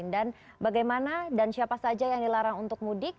dan bagaimana dan siapa saja yang dilarang untuk mudik